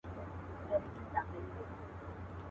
د ژوندیو په کورونو کي به غم وي.